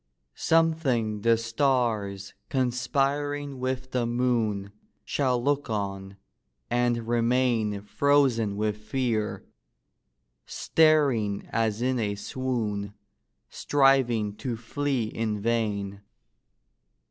Something the stars, conspiring with the moon, Shall look on, and remain Frozen with fear; staring as in a swoon, Striving to flee in vain.